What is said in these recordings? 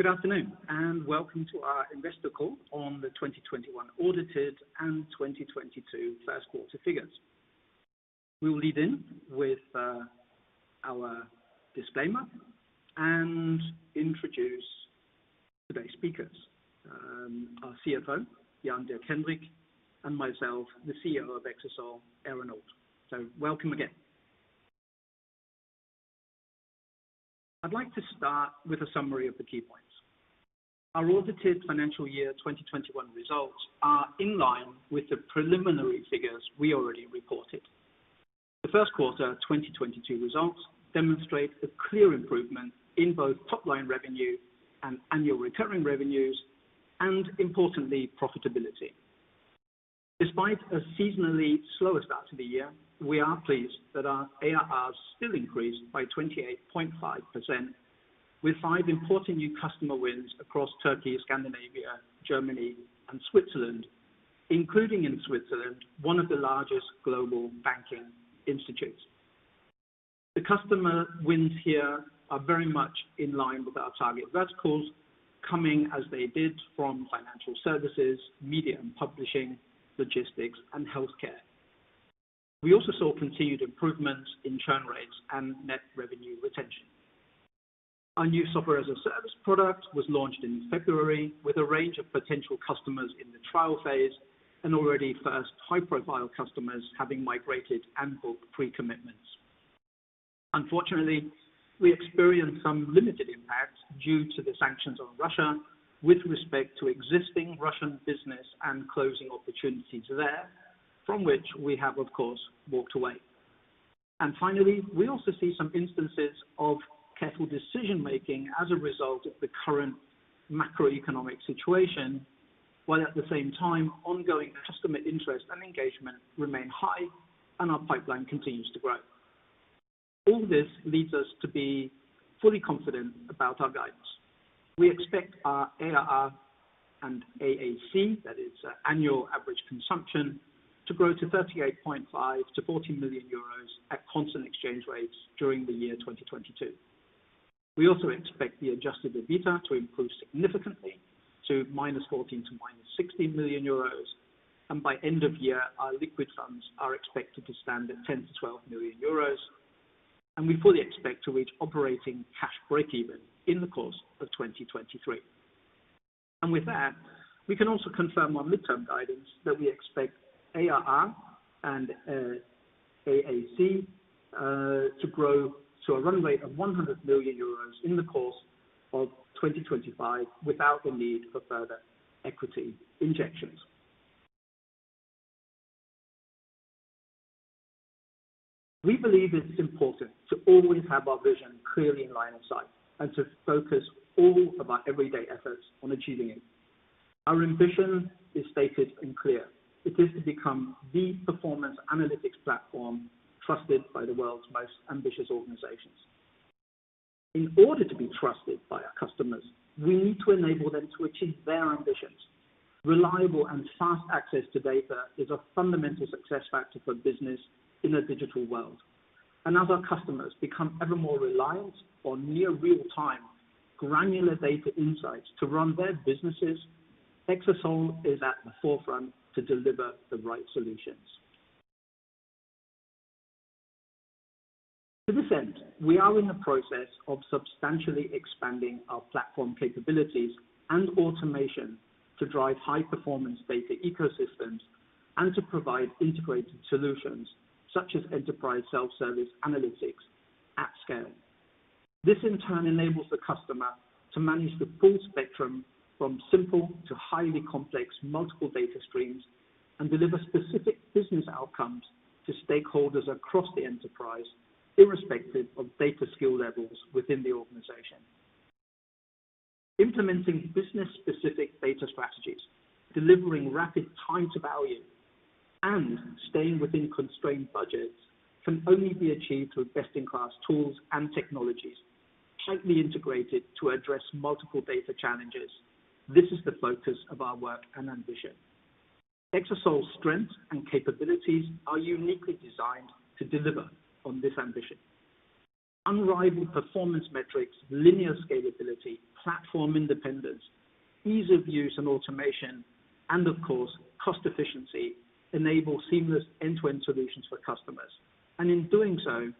Good afternoon, and welcome to our investor call on the 2021 audited and 2022 first quarter figures. We will lead in with our disclaimer and introduce today's speakers. Our CFO, Jan-Dirk Henrich, and myself, the CEO of Exasol, Aaron Auld. Welcome again. I'd like to start with a summary of the key points. Our audited financial year 2021 results are in line with the preliminary figures we already reported. The first quarter 2022 results demonstrate a clear improvement in both top-line revenue and annual recurring revenues, and importantly, profitability. Despite a seasonally slow start to the year, we are pleased that our ARR still increased by 28.5% with five important new customer wins across Turkey, Scandinavia, Germany, and Switzerland, including in Switzerland, one of the largest global banking institutions. The customer wins here are very much in line with our target verticals, coming as they did from financial services, media and publishing, logistics, and healthcare. We also saw continued improvements in churn rates and net revenue retention. Our new software as a service product was launched in February with a range of potential customers in the trial phase and already first high-profile customers having migrated and booked pre-commitments. Unfortunately, we experienced some limited impact due to the sanctions on Russia with respect to existing Russian business and closing opportunities there from which we have, of course, walked away. Finally, we also see some instances of careful decision-making as a result of the current macroeconomic situation, while at the same time, ongoing customer interest and engagement remain high and our pipeline continues to grow. All this leads us to be fully confident about our guidance. We expect our ARR and AAC, that is, annual average consumption, to grow to 38.5 million-40 million euros at constant exchange rates during the year 2022. We also expect the adjusted EBITDA to improve significantly to -14 million--16 million euros. By end of year, our liquid funds are expected to stand at 10 million-12 million euros, and we fully expect to reach operating cash breakeven in the course of 2023. With that, we can also confirm our midterm guidance that we expect ARR and AAC to grow to a run rate of 100 million euros in the course of 2025 without the need for further equity injections. We believe it's important to always have our vision clearly in line of sight and to focus all of our everyday efforts on achieving it. Our ambition is stated and clear. It is to become the performance analytics platform trusted by the world's most ambitious organizations. In order to be trusted by our customers, we need to enable them to achieve their ambitions. Reliable and fast access to data is a fundamental success factor for business in a digital world. As our customers become ever more reliant on near real-time granular data insights to run their businesses, Exasol is at the forefront to deliver the right solutions. To this end, we are in the process of substantially expanding our platform capabilities and automation to drive high-performance data ecosystems and to provide integrated solutions such as enterprise self-service analytics at scale. This, in turn, enables the customer to manage the full spectrum from simple to highly complex multiple data streams and deliver specific business outcomes to stakeholders across the enterprise, irrespective of data skill levels within the organization. Implementing business-specific data strategies, delivering rapid time to value, and staying within constrained budgets can only be achieved with best-in-class tools and technologies tightly integrated to address multiple data challenges. This is the focus of our work and ambition. Exasol's strengths and capabilities are uniquely designed to deliver on this ambition. Unrivaled performance metrics, linear scalability, platform independence, ease of use and automation, and of course, cost efficiency, enable seamless end-to-end solutions for customers. In doing so,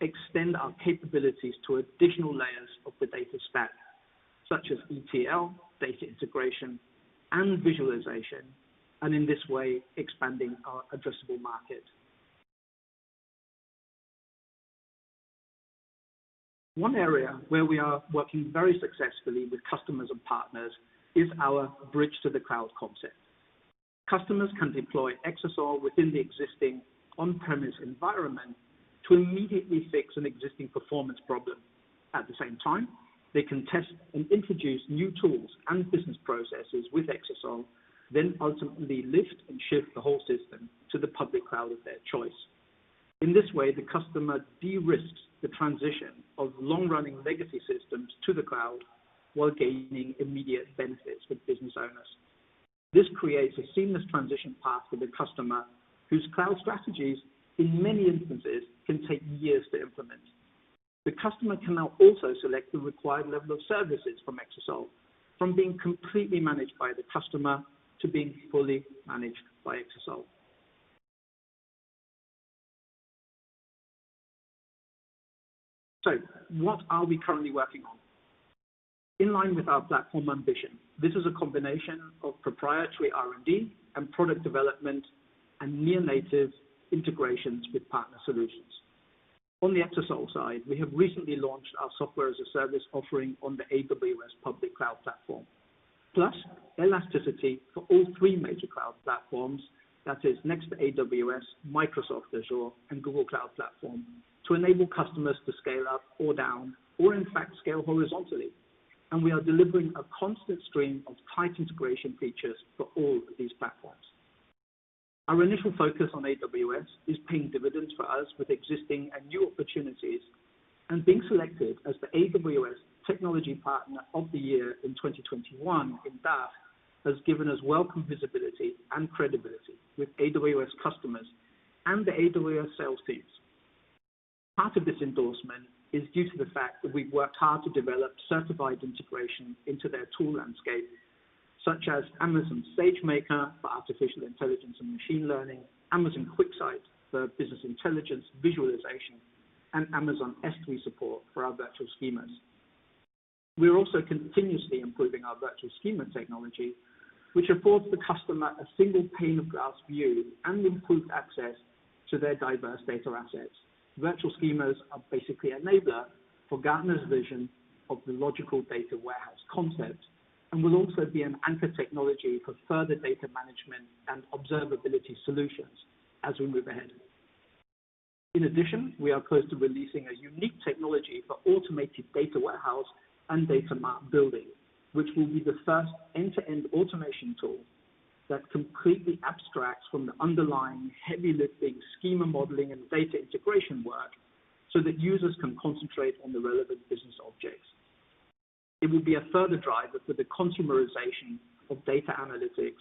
extend our capabilities to additional layers of the data stack, such as ETL, data integration, and visualization, and in this way, expanding our addressable market. One area where we are working very successfully with customers and partners is our bridge to the cloud concept. Customers can deploy Exasol within the existing on-premise environment to immediately fix an existing performance problem. At the same time, they can test and introduce new tools and business processes with Exasol, then ultimately lift and shift the whole system to the public cloud of their choice. In this way, the customer de-risks the transition of long-running legacy systems to the cloud while gaining immediate benefits with business owners. This creates a seamless transition path for the customer whose cloud strategies, in many instances, can take years to implement. The customer can now also select the required level of services from Exasol, from being completely managed by the customer to being fully managed by Exasol. What are we currently working on? In line with our platform ambition, this is a combination of proprietary R&D and product development and near-native integrations with partner solutions. On the Exasol side, we have recently launched our software-as-a-service offering on the AWS public cloud platform, plus elasticity for all three major cloud platforms, that is next to AWS, Microsoft Azure, and Google Cloud Platform, to enable customers to scale up or down or in fact scale horizontally. We are delivering a constant stream of tight integration features for all of these platforms. Our initial focus on AWS is paying dividends for us with existing and new opportunities and being selected as the AWS technology partner of the year in 2021 in DACH has given us welcome visibility and credibility with AWS customers and the AWS sales teams. Part of this endorsement is due to the fact that we've worked hard to develop certified integration into their tool landscape, such as Amazon SageMaker for artificial intelligence and machine learning, Amazon QuickSight for business intelligence visualization, and Amazon S3 support for our Virtual Schemas. We are also continuously improving our Virtual Schema technology, which affords the customer a single pane of glass view and improved access to their diverse data assets. Virtual Schemas are basically enabler for Gartner's vision of the logical data warehouse concept and will also be an anchor technology for further data management and observability solutions as we move ahead. In addition, we are close to releasing a unique technology for automated data warehouse and data mart building, which will be the first end-to-end automation tool that completely abstracts from the underlying heavy lifting schema modeling and data integration work so that users can concentrate on the relevant business objects. It will be a further driver for the consumerization of data analytics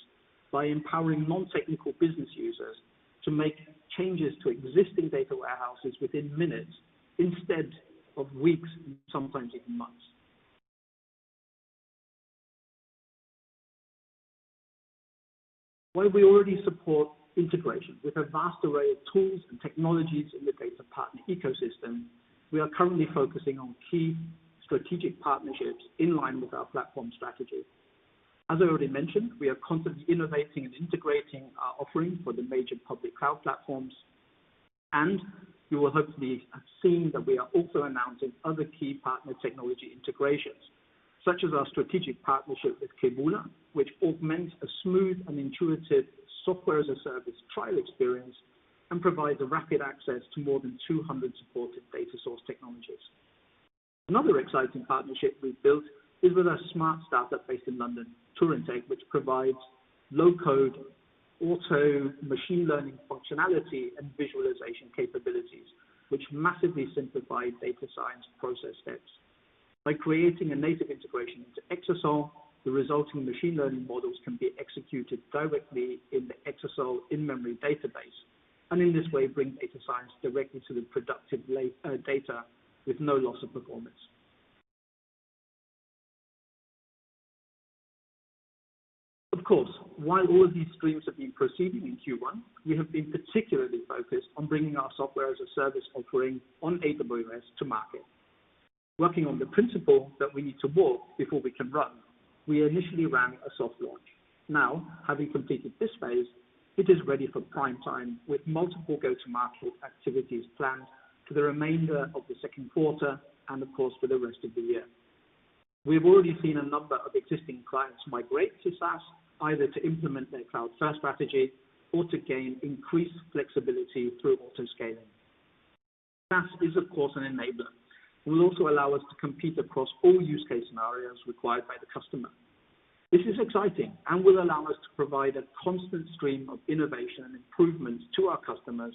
by empowering non-technical business users to make changes to existing data warehouses within minutes instead of weeks, sometimes even months. While we already support integration with a vast array of tools and technologies in the data partner ecosystem, we are currently focusing on key strategic partnerships in line with our platform strategy. As I already mentioned, we are constantly innovating and integrating our offering for the major public cloud platforms, and you will hopefully have seen that we are also announcing other key partner technology integrations, such as our strategic partnership with Keboola, which augments a smooth and intuitive software-as-a-service trial experience and provides a rapid access to more than 200 supported data source technologies. Another exciting partnership we've built is with a smart startup based in London, TurinTech, which provides low-code auto machine learning functionality and visualization capabilities, which massively simplify data science process steps. By creating a native integration into Exasol, the resulting machine learning models can be executed directly in the Exasol in-memory database, and in this way bring data science directly to the productive data with no loss of performance. Of course, while all of these streams have been proceeding in Q1, we have been particularly focused on bringing our software as a service offering on AWS to market. Working on the principle that we need to walk before we can run, we initially ran a soft launch. Now, having completed this phase, it is ready for prime time with multiple go-to-market activities planned for the remainder of the second quarter and of course for the rest of the year. We have already seen a number of existing clients migrate to SaaS either to implement their cloud-first strategy or to gain increased flexibility through autoscaling. SaaS is of course an enabler. It will also allow us to compete across all use case scenarios required by the customer. This is exciting and will allow us to provide a constant stream of innovation and improvements to our customers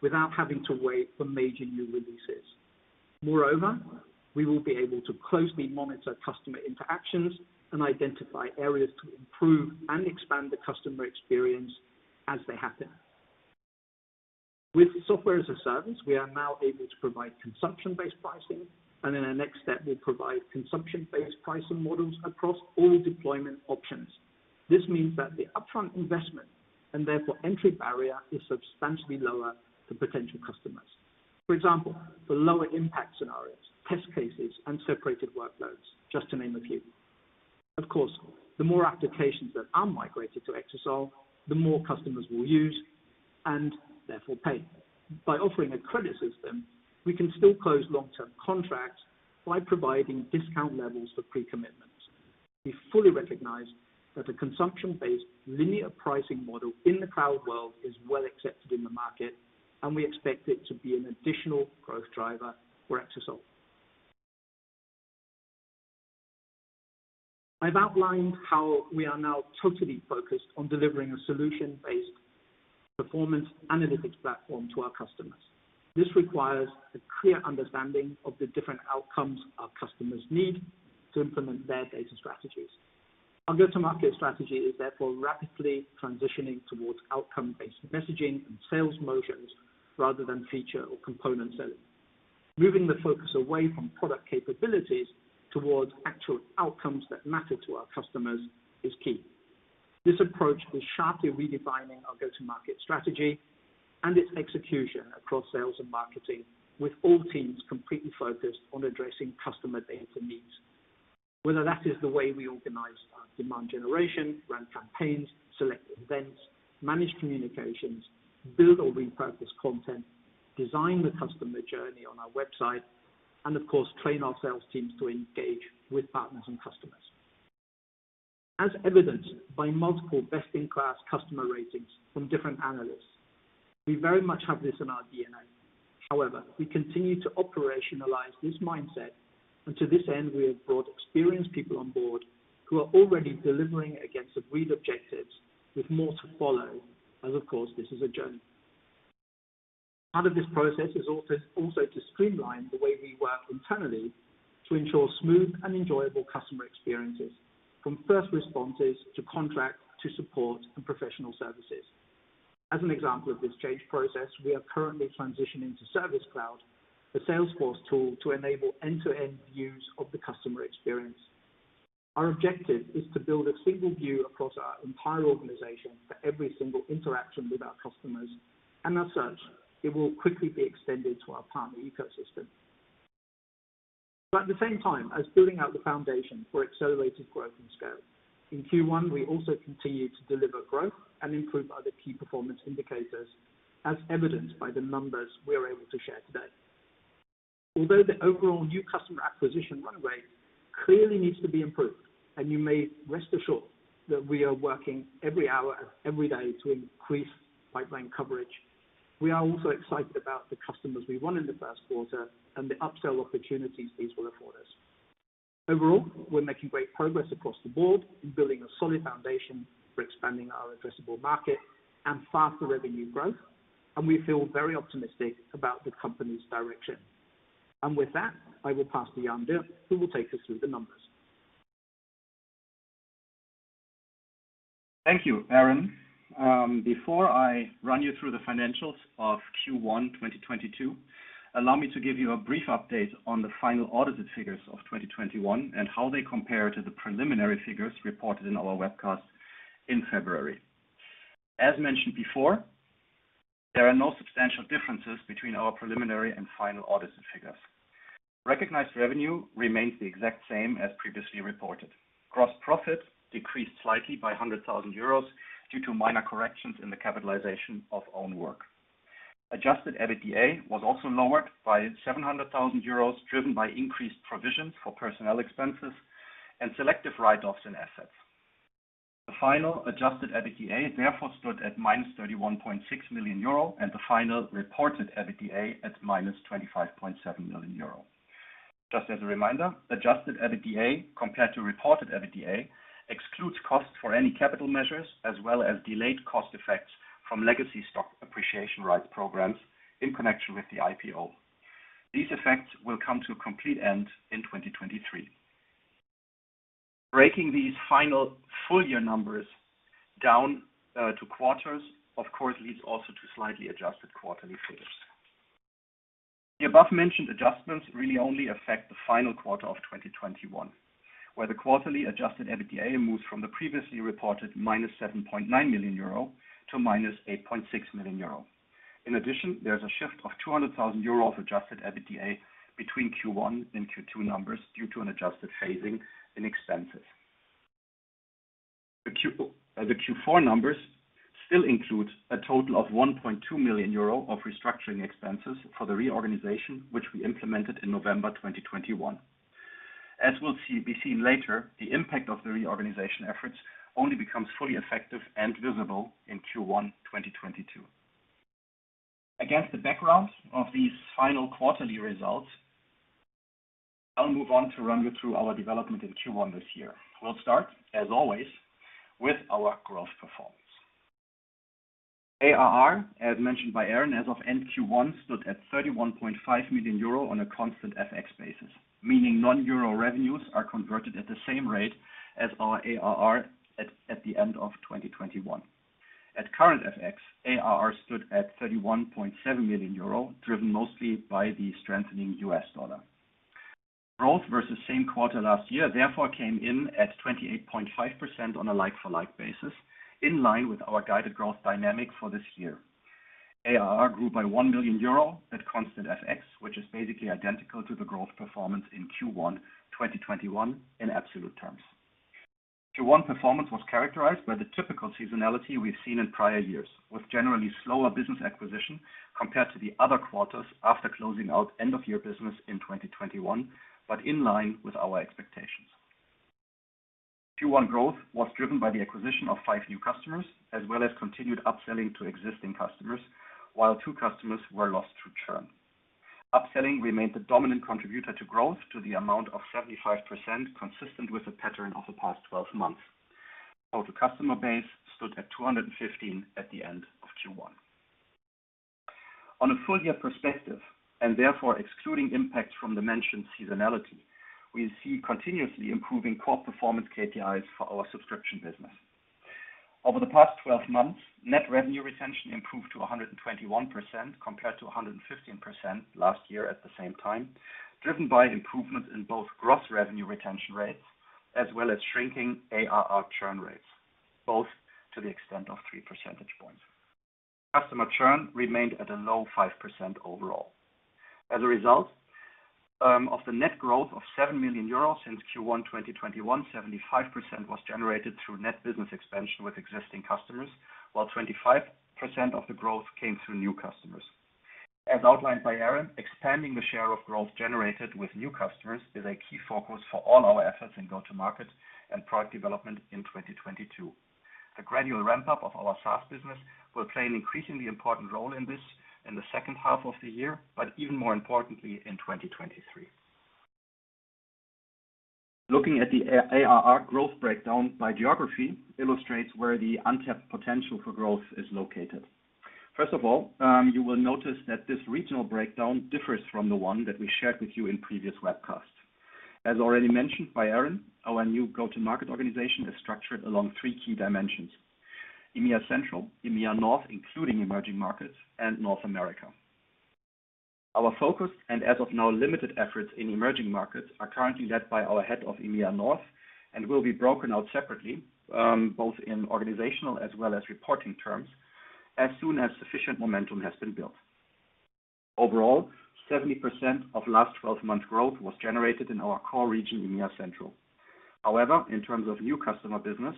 without having to wait for major new releases. Moreover, we will be able to closely monitor customer interactions and identify areas to improve and expand the customer experience as they happen. With software as a service, we are now able to provide consumption-based pricing, and in our next step, we'll provide consumption-based pricing models across all deployment options. This means that the upfront investment and therefore entry barrier is substantially lower for potential customers. For example, for lower impact scenarios, test cases, and separated workloads, just to name a few. Of course, the more applications that are migrated to Exasol, the more customers will use and therefore pay. By offering a credit system, we can still close long-term contracts by providing discount levels for pre-commitments. We fully recognize that a consumption-based linear pricing model in the cloud world is well accepted in the market, and we expect it to be an additional growth driver for Exasol. I've outlined how we are now totally focused on delivering a solution-based performance analytics platform to our customers. This requires a clear understanding of the different outcomes our customers need to implement their data strategies. Our go-to-market strategy is therefore rapidly transitioning towards outcome-based messaging and sales motions rather than feature or component selling. Moving the focus away from product capabilities towards actual outcomes that matter to our customers is key. This approach is sharply redefining our go-to-market strategy and its execution across sales and marketing, with all teams completely focused on addressing customer data needs, whether that is the way we organize our demand generation, run campaigns, select events, manage communications, build or repurpose content, design the customer journey on our website, and of course, train our sales teams to engage with partners and customers. As evidenced by multiple best-in-class customer ratings from different analysts, we very much have this in our DNA. However, we continue to operationalize this mindset, and to this end, we have brought experienced people on board who are already delivering against agreed objectives with more to follow as, of course, this is a journey. Part of this process is also to streamline the way we work internally to ensure smooth and enjoyable customer experiences, from first responses to contract to support and professional services. As an example of this change process, we are currently transitioning to Service Cloud, the Salesforce tool to enable end-to-end views of the customer experience. Our objective is to build a single view across our entire organization for every single interaction with our customers. As such, it will quickly be extended to our partner ecosystem. At the same time as building out the foundation for accelerated growth and scale, in Q1, we also continued to deliver growth and improve other key performance indicators, as evidenced by the numbers we are able to share today. Although the overall new customer acquisition run rate clearly needs to be improved, and you may rest assured that we are working every hour of every day to increase pipeline coverage, we are also excited about the customers we won in the first quarter and the upsell opportunities these will afford us. Overall, we're making great progress across the board in building a solid foundation for expanding our addressable market and faster revenue growth, and we feel very optimistic about the company's direction. With that, I will pass to Jan-Dirk, who will take us through the numbers. Thank you, Aaron. Before I run you through the financials of Q1 2022, allow me to give you a brief update on the final audited figures of 2021 and how they compare to the preliminary figures reported in our webcast in February. As mentioned before, there are no substantial differences between our preliminary and final audited figures. Recognized revenue remains the exact same as previously reported. Gross profit decreased slightly by 100,000 euros due to minor corrections in the capitalization of own work. Adjusted EBITDA was also lowered by 700,000 euros, driven by increased provisions for personnel expenses and selective write-offs in assets. The final adjusted EBITDA, therefore stood at -31.6 million euro, and the final reported EBITDA at -25.7 million euro. Just as a reminder, adjusted EBITDA compared to reported EBITDA excludes costs for any capital measures as well as delayed cost effects from legacy stock appreciation rights programs in connection with the IPO. These effects will come to a complete end in 2023. Breaking these final full year numbers down to quarters, of course, leads also to slightly adjusted quarterly figures. The above-mentioned adjustments really only affect the final quarter of 2021, where the quarterly adjusted EBITDA moves from the previously reported -7.9 million euro to -8.6 million euro. In addition, there's a shift of 200 thousand euro of adjusted EBITDA between Q1 and Q2 numbers due to an adjusted phasing in expenses. The Q4 numbers still include a total of 1.2 million euro of restructuring expenses for the reorganization, which we implemented in November 2021. As will be seen later, the impact of the reorganization efforts only becomes fully effective and visible in Q1 2022. Against the background of these final quarterly results, I'll move on to run you through our development in Q1 this year. We'll start, as always, with our growth performance. ARR, as mentioned by Aaron, as of end Q1, stood at 31.5 million euro on a constant FX basis, meaning non-euro revenues are converted at the same rate as our ARR at the end of 2021. At current FX, ARR stood at 31.7 million euro, driven mostly by the strengthening U.S. dollar. Growth versus same quarter last year therefore came in at 28.5% on a like-for-like basis, in line with our guided growth dynamic for this year. ARR grew by 1 million euro at constant FX, which is basically identical to the growth performance in Q1 2021 in absolute terms. Q1 performance was characterized by the typical seasonality we've seen in prior years, with generally slower business acquisition compared to the other quarters after closing out end of year business in 2021, but in line with our expectations. Q1 growth was driven by the acquisition of five new customers, as well as continued upselling to existing customers, while two customers were lost to churn. Upselling remained the dominant contributor to growth to the amount of 75%, consistent with the pattern of the past 12 months. Total customer base stood at 215 at the end of Q1. On a full year perspective, and therefore excluding impacts from the mentioned seasonality, we see continuously improving core performance KPIs for our subscription business. Over the past 12 months, net revenue retention improved to 121% compared to 115% last year at the same time, driven by improvements in both gross revenue retention rates as well as shrinking ARR churn rates, both to the extent of three percentage points. Customer churn remained at a low 5% overall. As a result of the net growth of 7 million euros since Q1 2021, 75% was generated through net business expansion with existing customers, while 25% of the growth came through new customers. As outlined by Aaron, expanding the share of growth generated with new customers is a key focus for all our efforts in go-to-market and product development in 2022. The gradual ramp-up of our SaaS business will play an increasingly important role in this in the second half of the year, but even more importantly in 2023. Looking at the ARR growth breakdown by geography illustrates where the untapped potential for growth is located. First of all, you will notice that this regional breakdown differs from the one that we shared with you in previous webcasts. As already mentioned by Aaron, our new go-to-market organization is structured along three key dimensions: EMEA Central, EMEA North, including emerging markets, and North America. Our focus and as of now limited efforts in emerging markets are currently led by our head of EMEA North and will be broken out separately, both in organizational as well as reporting terms as soon as sufficient momentum has been built. Overall, 70% of last 12-month growth was generated in our core region, EMEA Central. However, in terms of new customer business,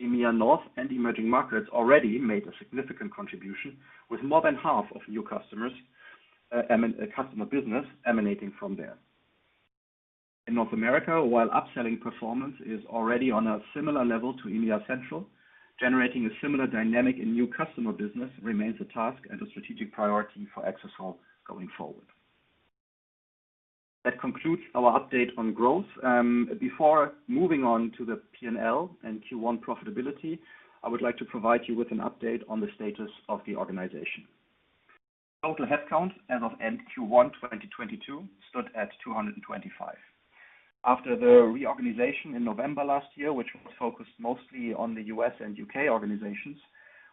EMEA North and emerging markets already made a significant contribution with more than half of new customers, customer business emanating from there. In North America, while upselling performance is already on a similar level to EMEA Central, generating a similar dynamic in new customer business remains a task and a strategic priority for Exasol going forward. That concludes our update on growth. Before moving on to the P&L and Q1 profitability, I would like to provide you with an update on the status of the organization. Total headcount as of end Q1 2022 stood at 225. After the reorganization in November last year, which was focused mostly on the US and UK organizations,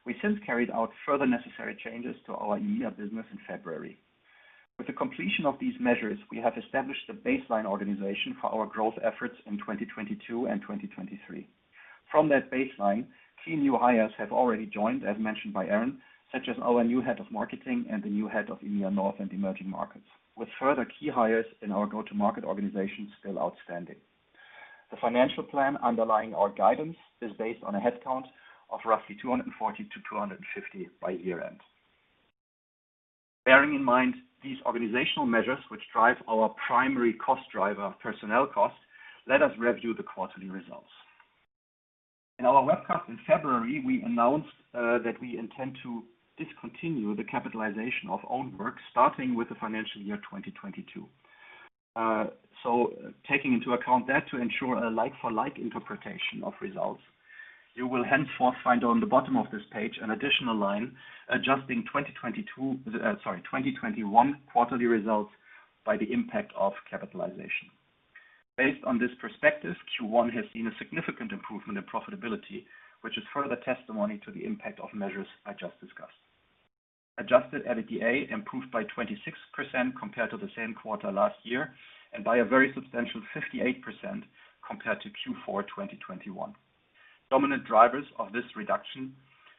we since carried out further necessary changes to our EMEA business in February. With the completion of these measures, we have established a baseline organization for our growth efforts in 2022 and 2023. From that baseline, key new hires have already joined, as mentioned by Aaron, such as our new head of marketing and the new head of EMEA North and Emerging Markets, with further key hires in our go-to-market organization still outstanding. The financial plan underlying our guidance is based on a headcount of roughly 240-250 by year-end. Bearing in mind these organizational measures which drive our primary cost driver, personnel costs, let us review the quarterly results. In our webcast in February, we announced that we intend to discontinue the capitalization of own work starting with the financial year 2022. Taking into account that to ensure a like-for-like interpretation of results, you will henceforth find on the bottom of this page an additional line adjusting 2022, 2021 quarterly results by the impact of capitalization. Based on this perspective, Q1 has seen a significant improvement in profitability, which is further testimony to the impact of measures I just discussed. Adjusted EBITDA improved by 26% compared to the same quarter last year, and by a very substantial 58% compared to Q4, 2021. Dominant drivers of this reduction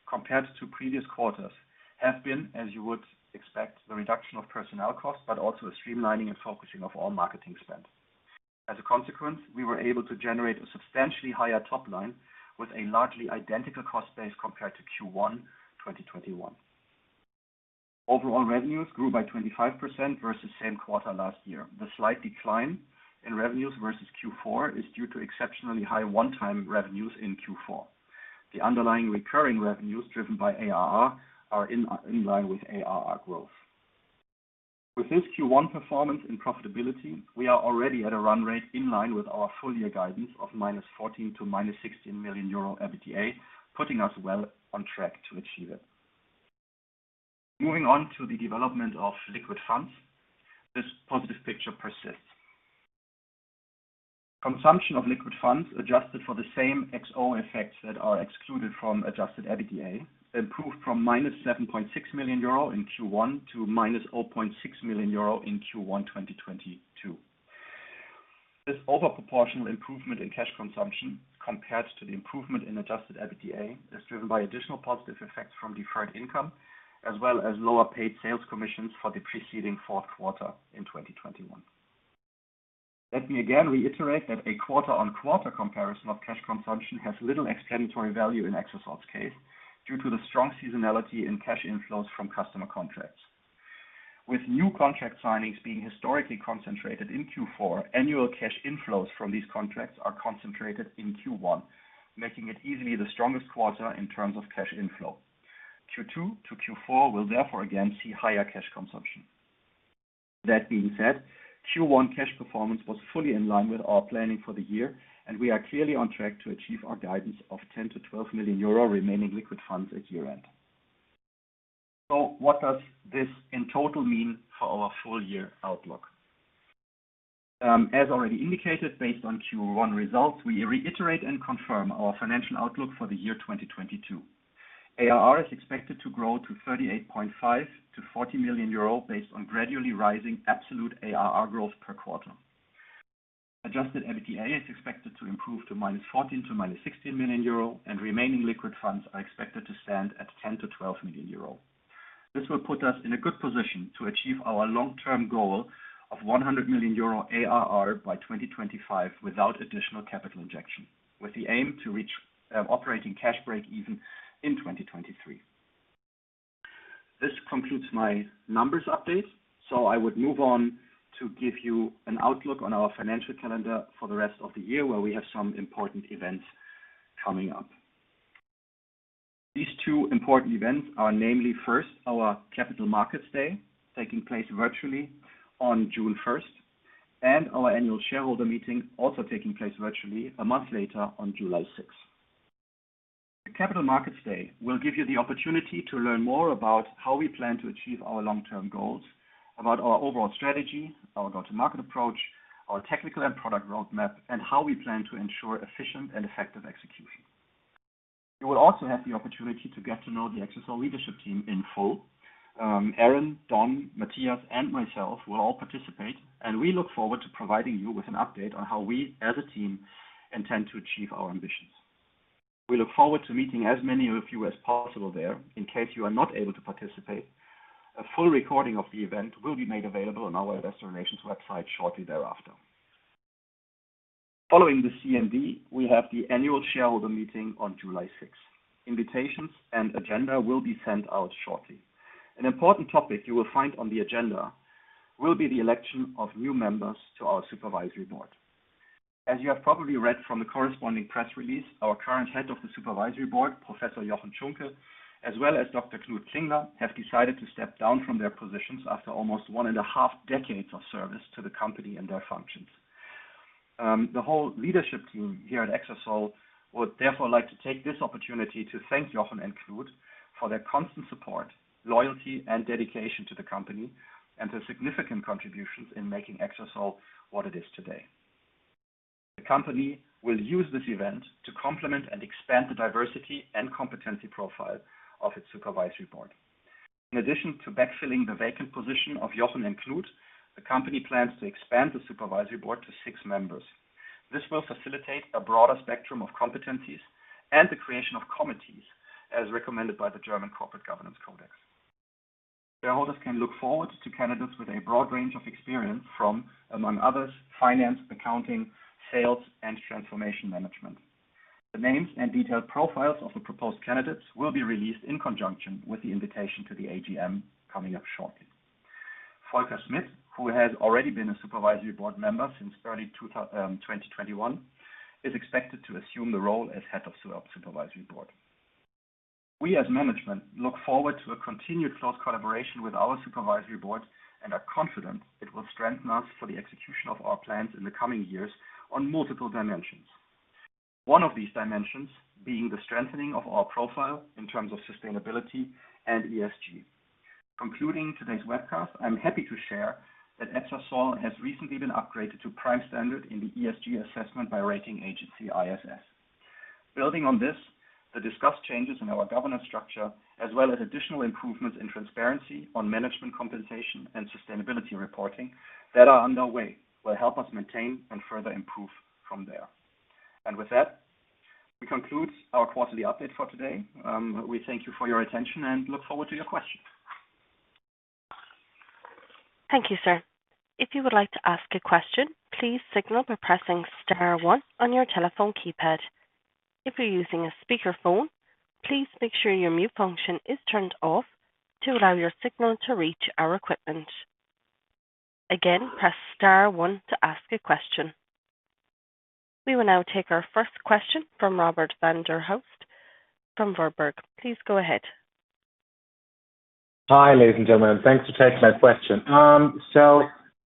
compared to previous quarters have been, as you would expect, the reduction of personnel costs, but also a streamlining and focusing of all marketing spends. As a consequence, we were able to generate a substantially higher top line with a largely identical cost base compared to Q1, 2021. Overall revenues grew by 25% versus same quarter last year. The slight decline in revenues versus Q4 is due to exceptionally high one-time revenues in Q4. The underlying recurring revenues driven by ARR are in line with ARR growth. With this Q1 performance and profitability, we are already at a run rate in line with our full year guidance of -14 to -16 million euro EBITDA, putting us well on track to achieve it. Moving on to the development of liquid funds, this positive picture persists. Consumption of liquid funds adjusted for the same FX effects that are excluded from adjusted EBITDA improved from -7.6 million euro in Q1 to -0.6 million euro in Q1 2022. This over-proportional improvement in cash consumption compared to the improvement in adjusted EBITDA is driven by additional positive effects from deferred income as well as lower paid sales commissions for the preceding fourth quarter in 2021. Let me again reiterate that a quarter-on-quarter comparison of cash consumption has little explanatory value in Exasol's case due to the strong seasonality in cash inflows from customer contracts. With new contract signings being historically concentrated in Q4, annual cash inflows from these contracts are concentrated in Q1, making it easily the strongest quarter in terms of cash inflow. Q2 to Q4 will therefore again see higher cash consumption. That being said, Q1 cash performance was fully in line with our planning for the year and we are clearly on track to achieve our guidance of 10-12 million euro remaining liquid funds at year-end. What does this in total mean for our full year outlook? As already indicated, based on Q1 results, we reiterate and confirm our financial outlook for the year 2022. ARR is expected to grow to 38.5-40 million euro based on gradually rising absolute ARR growth per quarter. Adjusted EBITDA is expected to improve to -14-16 million euro, and remaining liquid funds are expected to stand at 10-12 million euro. This will put us in a good position to achieve our long-term goal of 100 million euro ARR by 2025 without additional capital injection, with the aim to reach operating cash break-even in 2023. This concludes my numbers update, so I would move on to give you an outlook on our financial calendar for the rest of the year, where we have some important events coming up. These two important events are namely, first, our Capital Markets Day, taking place virtually on June first, and our annual shareholder meeting, also taking place virtually, a month later on July six. The Capital Markets Day will give you the opportunity to learn more about how we plan to achieve our long-term goals, about our overall strategy, our go-to-market approach, our technical and product roadmap, and how we plan to ensure efficient and effective execution. You will also have the opportunity to get to know the Exasol leadership team in full. Aaron, Don, Matthias, and myself will all participate, and we look forward to providing you with an update on how we as a team intend to achieve our ambitions. We look forward to meeting as many of you as possible there. In case you are not able to participate, a full recording of the event will be made available on our Investor Relations website shortly thereafter. Following the CMD, we have the annual shareholder meeting on July sixth. Invitations and agenda will be sent out shortly. An important topic you will find on the agenda will be the election of new members to our supervisory board. As you have probably read from the corresponding press release, our current head of the supervisory board, Professor Jochen Tschunke, as well as Dr. Knud Klingler have decided to step down from their positions after almost one and a half decades of service to the company in their functions. The whole leadership team here at Exasol would therefore like to take this opportunity to thank Jochen and Knud for their constant support, loyalty, and dedication to the company and their significant contributions in making Exasol what it is today. The company will use this event to complement and expand the diversity and competency profile of its supervisory board. In addition to backfilling the vacant position of Jochen and Knud, the company plans to expand the supervisory board to six members. This will facilitate a broader spectrum of competencies and the creation of committees as recommended by the German Corporate Governance Code. Shareholders can look forward to candidates with a broad range of experience from, among others, finance, accounting, sales, and transformation management. The names and detailed profiles of the proposed candidates will be released in conjunction with the invitation to the AGM coming up shortly. Volker Smid, who has already been a supervisory board member since early 2021, is expected to assume the role as head of supervisory board. We as management look forward to a continued close collaboration with our supervisory board and are confident it will strengthen us for the execution of our plans in the coming years on multiple dimensions. One of these dimensions being the strengthening of our profile in terms of sustainability and ESG. Concluding today's webcast, I'm happy to share that Exasol has recently been upgraded to prime standard in the ESG assessment by rating agency ISS. Building on this, the discussed changes in our governance structure, as well as additional improvements in transparency on management compensation and sustainability reporting that are underway, will help us maintain and further improve from there. With that, it concludes our quarterly update for today. We thank you for your attention and look forward to your questions. Thank you, sir. If you would like to ask a question, please signal by pressing star one on your telephone keypad. If you're using a speakerphone, please make sure your mute function is turned off to allow your signal to reach our equipment. Again, press star one to ask a question. We will now take our first question from Robert-Jan van der Horst from Warburg. Please go ahead. Hi, ladies and gentlemen. Thanks for taking my question.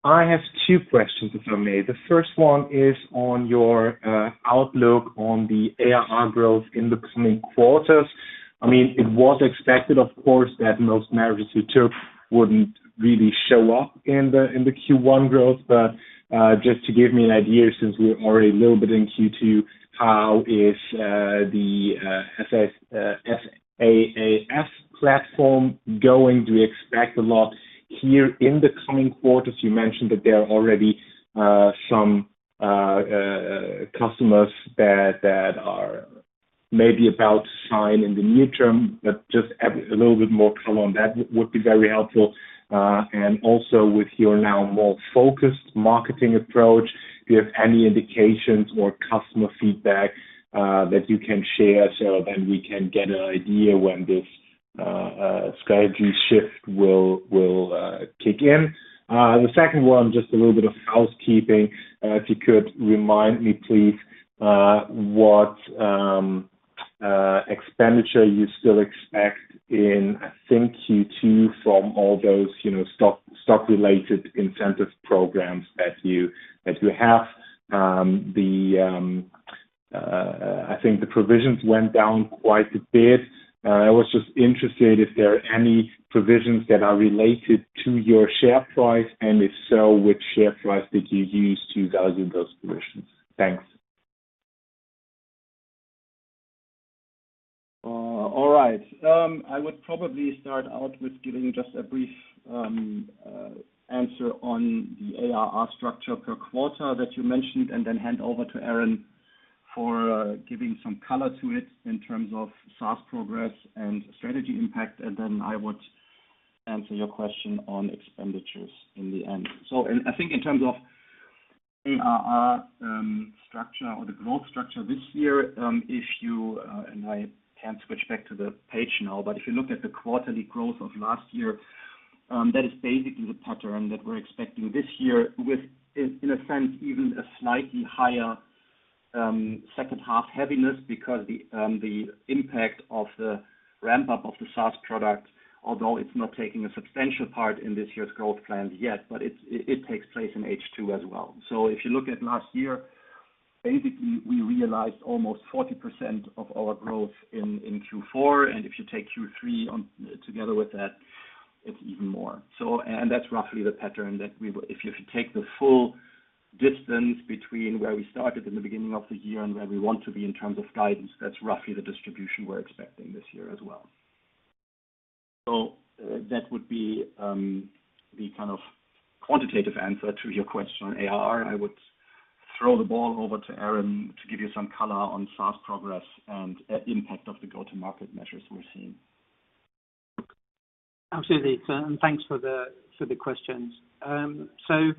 I have two questions, if I may. The first one is on your outlook on the ARR growth in the coming quarters. I mean, it was expected, of course, that most narratives you took wouldn't really show up in the Q1 growth. Just to give me an idea, since we're already a little bit in Q2, how is the SaaS platform going? Do you expect a lot here in the coming quarters? You mentioned that there are already some customers that are maybe about to sign in the near term. A little bit more color on that would be very helpful. Also with your now more focused marketing approach, do you have any indications or customer feedback that you can share so then we can get an idea when this strategy shift will kick in. The second one, just a little bit of housekeeping. If you could remind me, please, what expenditure you still expect in, I think Q2 from all those, you know, stock related incentive programs that you have. I think the provisions went down quite a bit. I was just interested if there are any provisions that are related to your share price, and if so, which share price did you use to value those provisions? Thanks. All right. I would probably start out with giving just a brief answer on the ARR structure per quarter that you mentioned, and then hand over to Aaron for giving some color to it in terms of SaaS progress and strategy impact. Then I would answer your question on expenditures in the end. I think in terms of ARR, structure or the growth structure this year, if you and I can switch back to the page now, but if you look at the quarterly growth of last year, that is basically the pattern that we're expecting this year with, in a sense, even a slightly higher second half heaviness because the impact of the ramp up of the SaaS product, although it's not taking a substantial part in this year's growth plans yet, but it takes place in H2 as well. If you look at last year, basically we realized almost 40% of our growth in Q4. If you take Q3 and Q4 together with that, it's even more so. That's roughly the pattern that we will If you take the full distance between where we started in the beginning of the year and where we want to be in terms of guidance, that's roughly the distribution we're expecting this year as well. That would be the kind of quantitative answer to your question on ARR. I would throw the ball over to Aaron to give you some color on SaaS progress and impact of the go-to-market measures we're seeing. Absolutely. Thanks for the questions. The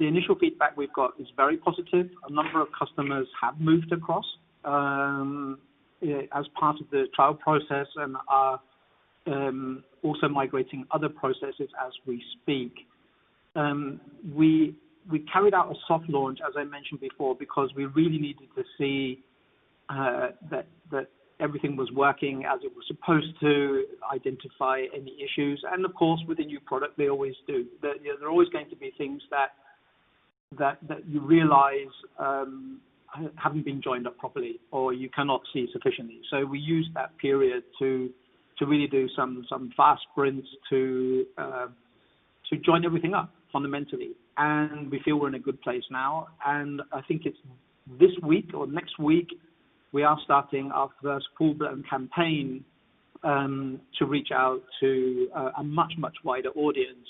initial feedback we've got is very positive. A number of customers have moved across, as part of the trial process and are also migrating other processes as we speak. We carried out a soft launch, as I mentioned before, because we really needed to see that everything was working as it was supposed to, identify any issues. Of course, with a new product, they always do. You know, there are always going to be things that you realize haven't been joined up properly or you cannot see sufficiently. We use that period to really do some fast sprints to join everything up fundamentally. We feel we're in a good place now. I think it's this week or next week, we are starting our first full-blown campaign to reach out to a much wider audience.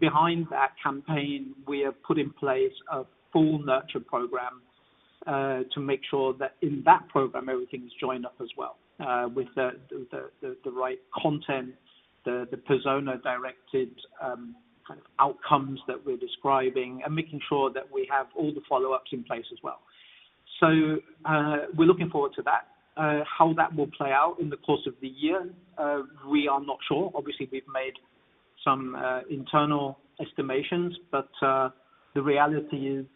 Behind that campaign, we have put in place a full nurture program to make sure that in that program, everything is joined up as well with the right content, the persona-directed kind of outcomes that we're describing, and making sure that we have all the follow-ups in place as well. We're looking forward to that. How that will play out in the course of the year, we are not sure. Obviously, we've made some internal estimations, but the reality is,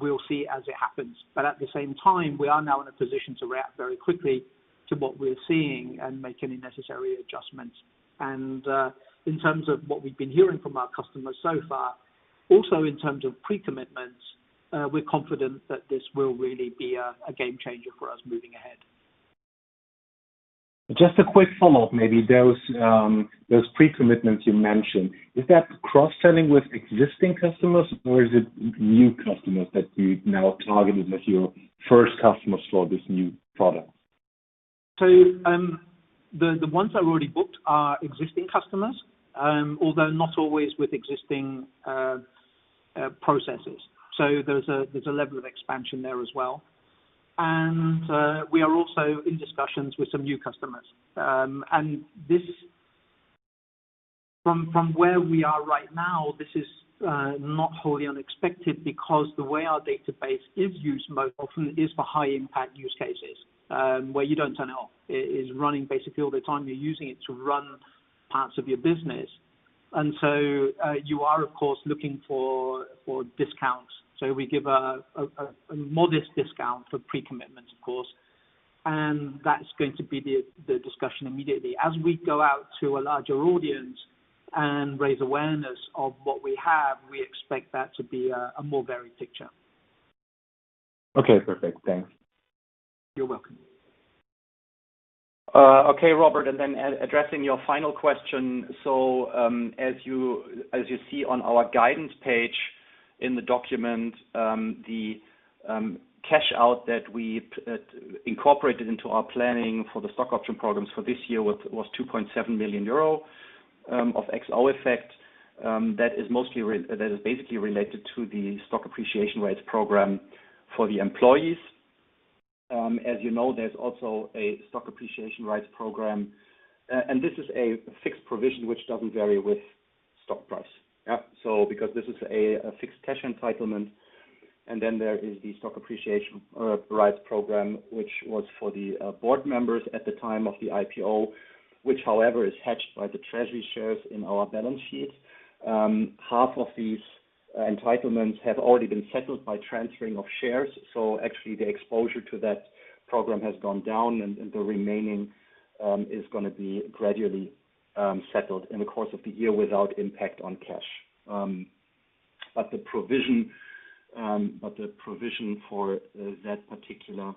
we'll see as it happens. At the same time, we are now in a position to react very quickly to what we're seeing and make any necessary adjustments. In terms of what we've been hearing from our customers so far, also in terms of pre-commitments, we're confident that this will really be a game changer for us moving ahead. Just a quick follow-up, maybe. Those pre-commitments you mentioned, is that cross-selling with existing customers or is it new customers that you now targeted as your first customers for this new product? The ones that are already booked are existing customers, although not always with existing processes. There's a level of expansion there as well. We are also in discussions with some new customers. From where we are right now, this is not wholly unexpected because the way our database is used most often is for high-impact use cases, where you don't turn it off. It is running basically all the time. You're using it to run parts of your business. You are, of course, looking for discounts. We give a modest discount for pre-commitment, of course, and that's going to be the discussion immediately. As we go out to a larger audience and raise awareness of what we have, we expect that to be a more varied picture. Okay, perfect. Thanks. You're welcome. Okay, Robert, addressing your final question. As you see on our guidance page in the document, the cash out that we incorporated into our planning for the stock option programs for this year was 2.7 million euro of extraordinary effect. That is basically related to the stock appreciation rights program for the employees. As you know, there's also a stock appreciation rights program, and this is a fixed provision which doesn't vary with stock price. Yeah. Because this is a fixed cash entitlement. There is the stock appreciation rights program, which was for the board members at the time of the IPO, which however, is hedged by the treasury shares in our balance sheet. Half of these entitlements have already been settled by transferring of shares. Actually the exposure to that program has gone down, and the remaining is gonna be gradually settled in the course of the year without impact on cash. The provision for that particular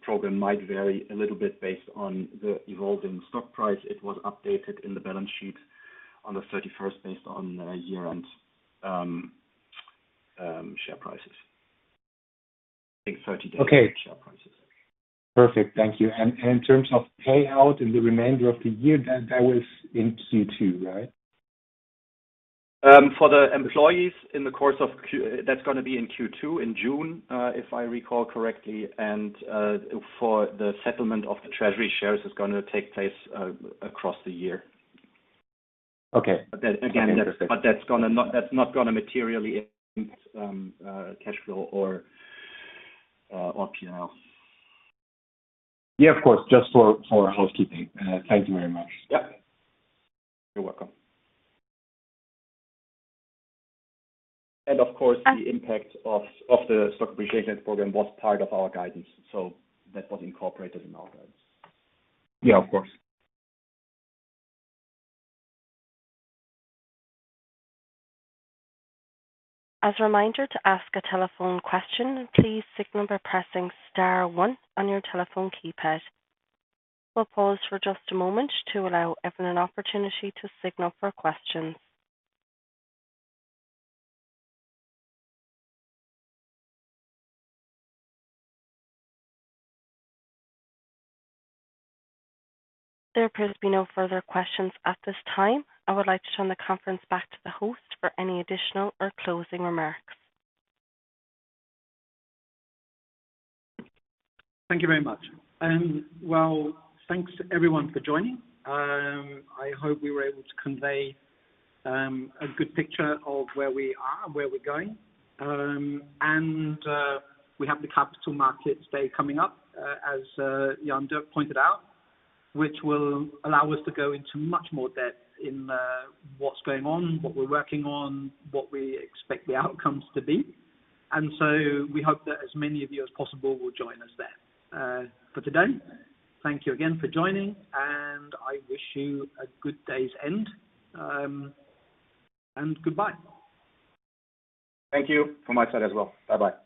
program might vary a little bit based on the evolving stock price. It was updated in the balance sheet on the thirty-first based on year-end share prices. I think 30 different Okay. Share prices. Perfect. Thank you. In terms of payout in the remainder of the year, that was in Q2, right? For the employees, that's gonna be in Q2, in June, if I recall correctly. For the settlement of the treasury shares is gonna take place across the year. Okay. But then again- Interesting. That's not gonna materially impact cash flow or P&L. Yeah, of course, just for housekeeping. Thank you very much. Yep. You're welcome. Of course, the impact of the stock appreciation program was part of our guidance, so that was incorporated in our guidance. Yeah, of course. As a reminder to ask a telephone question, please signal by pressing star one on your telephone keypad. We'll pause for just a moment to allow everyone an opportunity to signal for questions. There appears to be no further questions at this time. I would like to turn the conference back to the host for any additional or closing remarks. Thank you very much. Well, thanks to everyone for joining. I hope we were able to convey a good picture of where we are and where we're going. We have the capital markets day coming up, as Jan-Dirk Henrich pointed out, which will allow us to go into much more depth in what's going on, what we're working on, what we expect the outcomes to be. We hope that as many of you as possible will join us there. For today, thank you again for joining, and I wish you a good day's end, and goodbye. Thank you from my side as well. Bye-bye.